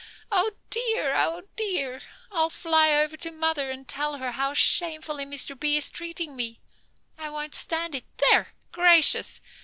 Oh, dear! Oh, dear! I'll fly over to mother and tell her how shamefully Mr. B. is treating me. I won't stand it, there! Gracious!